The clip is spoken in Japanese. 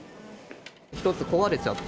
一つ壊れちゃって。